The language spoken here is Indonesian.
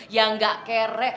yang gak kere